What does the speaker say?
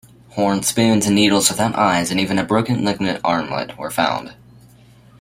Horn spoons and needles without eyes and even a broken lignite armlet were found.